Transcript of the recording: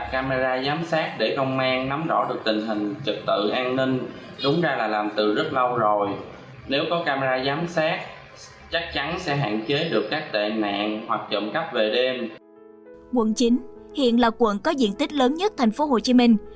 quận chín hiện là quận có diện tích lớn nhất thành phố hồ chí minh